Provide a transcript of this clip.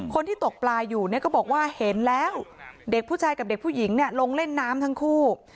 คนที่ตกปลาอยู่เนี่ยก็บอกว่าเห็นแล้วเด็กผู้ชายกับเด็กผู้หญิงลงเล่นน้ำทั้งคู่